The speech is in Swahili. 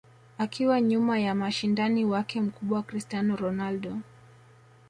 akiwa nyuma ya mshindani wake mkubwa Cristiano Ronaldo